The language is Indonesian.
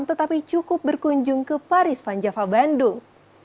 tetapi cukup berkunjung ke paris vanjava bandung